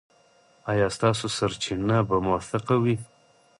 ایا ستاسو سرچینه به موثقه وي؟